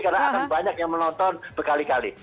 karena akan banyak yang menonton berkali kali